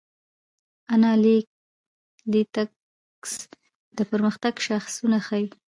انالیتکس د پرمختګ شاخصونه ښيي.